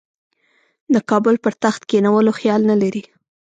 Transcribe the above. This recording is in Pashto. د کابل پر تخت کښېنولو خیال نه لري.